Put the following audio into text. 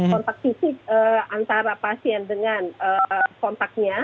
kontak fisik antara pasien dengan kontaknya